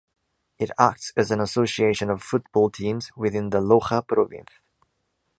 It acts as an association of football teams within the Loja Province.